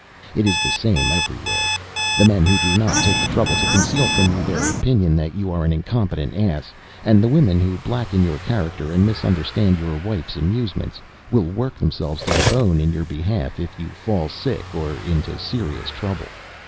It is the same everywhere. The men who do not take the trouble to conceal from you their opinion that you are an incompetent ass, and the women who blacken your character and misunderstand your wife's amusements, will work themselves to the bone in your behalf if you fall sick or into serious trouble.